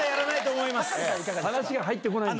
話が入ってこないです。